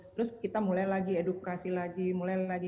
terus kita mulai lagi edukasi lagi mulai lagi